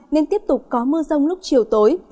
nên tiếp tục có mưa rông lúc chiều tối